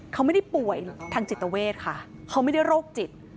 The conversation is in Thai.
เขาไม่ได้ป่วยทางจิตเวทค่ะเขาไม่ได้โรคจิต